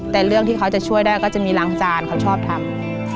แต่เรื่องที่เขาจะช่วยได้ก็จะมีล้างจานเขาชอบทำ